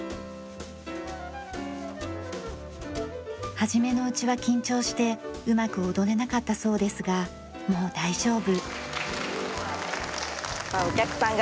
初めのうちは緊張してうまく踊れなかったそうですがもう大丈夫。